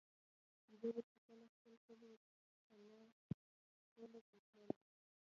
زه به چې کله خپل کلي کلاخېلو ته تللم.